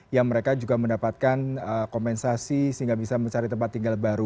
yang mereka juga mendapatkan kompensasi sehingga bisa mencari tempat tinggal baru